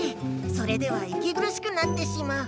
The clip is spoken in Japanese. それではいきぐるしくなってしまう。